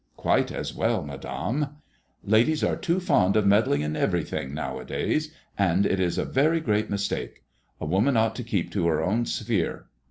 '' Quite as well, Madame." Ladies are too fond of med dling in everything now a days, and it is a very great mistake. A woman ought to keep to her own sphere."